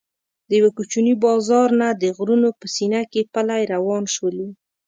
د یوه کوچني بازار نه د غرونو په سینه کې پلی روان شولو.